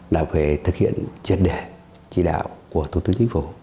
là thực hiện triệt đề tri đạo của thủ tướng chính phủ